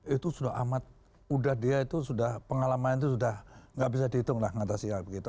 itu sudah amat udah dia itu sudah pengalaman itu sudah nggak bisa dihitung lah mengatasi hal begitu